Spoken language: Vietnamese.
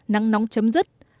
nắng nóng chấm dứt